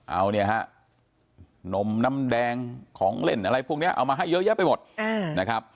เอาเนี่ยฮะนมน้ำแดงของเล่นอะไรพวกนี้เอามาให้เยอะแยะไปหมดนะครับ